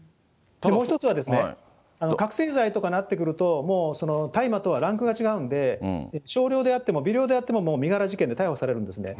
もう１つはですね、覚醒剤とかなってくると、もう、大麻とはランクが違うんで、少量であっても、微量であっても、もう身柄事件で逮捕されるんですね。